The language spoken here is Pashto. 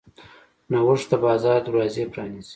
نوښت د بازار دروازې پرانیزي.